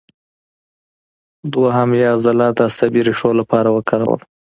دوهیم یې عضلات د عصبي ریښو لپاره وکارول.